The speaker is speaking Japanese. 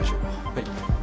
はい。